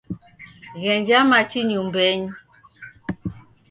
Ghenja machi nyumbenyi.